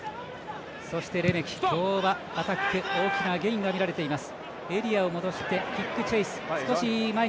レメキ、今日は、アタック大きなゲインが見られています。